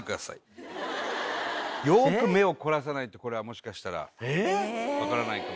よく目を凝らさないとこれはもしかしたら分からないかも。